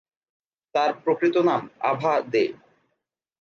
তার প্রকৃত নাম আভা দে।